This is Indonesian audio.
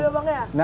oh gitu bang ya